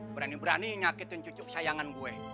berani berani nyakitin cucuk sayangan gue